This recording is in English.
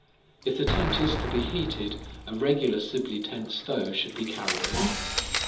If the tent is to be heated, a regular Sibley tent stove should be carried along.